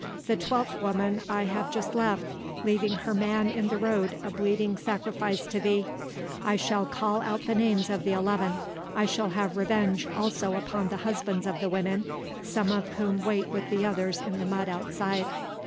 The twelfth woman I have just left, leaving her man in the road a bleeding sacrifice to thee. I shall call out the names of the eleven. I shall have revenge also upon the husbands of the women, some of whom wait with the others in the mud outside."